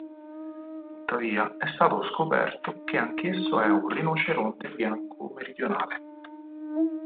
Tuttavia è stato scoperto che anch'esso è un rinoceronte bianco meridionale.